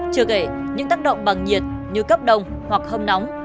chưa kể những tác động bằng nhiệt như cấp đông hoặc hâm nóng